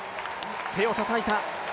手をたたいた。